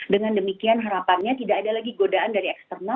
dengan demikian harapannya tidak ada lagi godaan dari eksternal